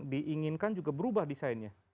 diinginkan juga berubah designnya